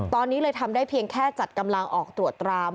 ตอนนี้เลยทำได้เพียงแค่จัดกำลังออกตรวจตราม